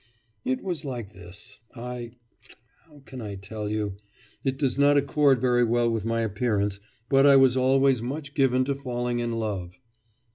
'It was like this. I how can I tell you? it does not accord very well with my appearance, but I was always much given to falling in love.